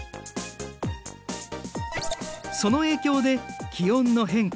その影響で気温の変化